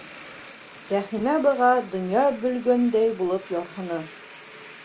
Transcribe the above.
Рәхимә быға донъя бөлгәндәй булып ярһыны.